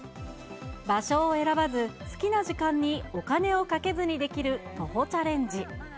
場所を選ばず、好きな時間に、お金をかけずにできる徒歩チャレンジ。